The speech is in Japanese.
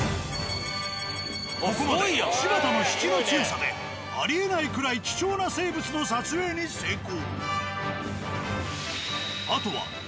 ここまで柴田の引きの強さでありえないくらい貴重な生物の撮影に成功。